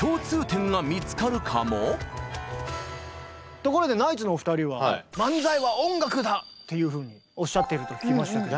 ところでナイツのお二人はっていうふうにおっしゃってると聞きましたけど。